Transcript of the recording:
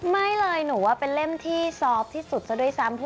ไม่เลยหนูว่าเป็นเล่มที่ซอฟต์ที่สุดซะด้วยซ้ำ